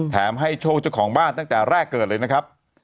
ให้โชคเจ้าของบ้านตั้งแต่แรกเกิดเลยนะครับ